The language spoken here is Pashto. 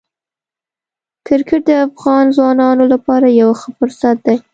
کرکټ د افغان ځوانانو لپاره یو ښه فرصت دی.